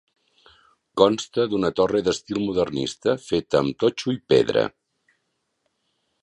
Consta d'una torre d'estil modernista feta amb totxo i pedra.